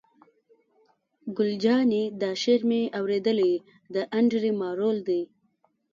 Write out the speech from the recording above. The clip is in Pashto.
ګل جانې: دا شعر مې اورېدلی، د انډرې مارول دی.